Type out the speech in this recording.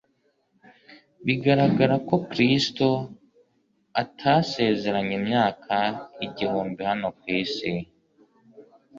Biragaragara ko Kristo atasezeranye imyaka igihumbi hano ku isi,